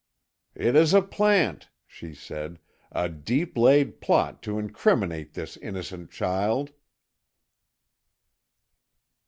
"It is a plant!" she said, "a deep laid plot to incriminate this innocent child!"